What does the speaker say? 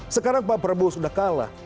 sekarang pak prabowo sudah kalah